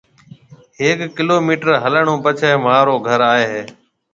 هيَڪ ڪِلو ميٽر هلڻ هون پڇيَ مهارو گھر آئي هيَ۔